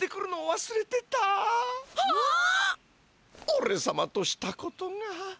おれさまとしたことが。